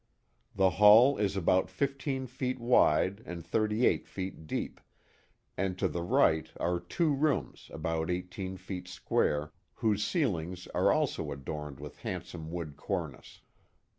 The hall is about fifteen feet wide and thirty eight feet deep, and to the right are two rooms about eighteen feet square, whose ceilings are also adorned with handsome wood cornice.